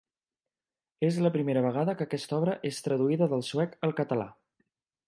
És la primera vegada que aquesta obra és traduïda del suec al català.